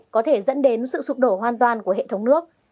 có thể dẫn đến sự sụp đổ hoàn toàn của hệ thống nước